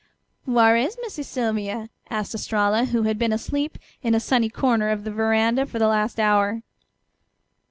"Whar' is Missy Sylvia?" asked Estralla, who had been asleep in a sunny corner of the veranda for the last hour.